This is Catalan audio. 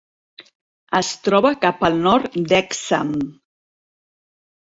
Es troba cap al nord d'Hexham.